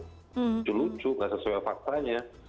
lucu lucu nggak sesuai faktanya